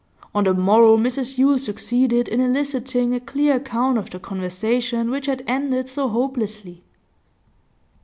On the morrow Mrs Yule succeeded in eliciting a clear account of the conversation which had ended so hopelessly.